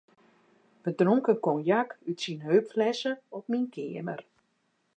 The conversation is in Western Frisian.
We dronken konjak út syn heupflesse op myn keamer.